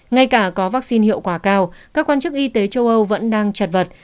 ngay cả có vaccine hiệu quả cao các quan chức y tế châu âu vẫn đang chật vật